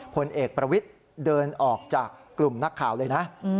ผลเอกประวิทย์เดินออกจากกลุ่มนักข่าวเลยนะ